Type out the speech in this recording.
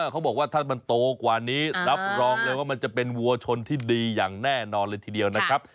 เขาบอกว่าถ้ามันโตกว่านี้รับรองเลยว่ามันจะเป็นวัวชนที่ดีอย่างแน่นอนเลยทีเดียวนะครับ